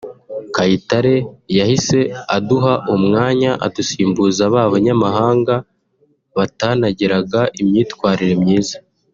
Kayitare yahise aduha umwanya adusimbuza ba banyamahanga batanagiraga imyitwarire myiza’’